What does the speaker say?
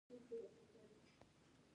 د یخو سیمو خلک درنې جامې اغوندي.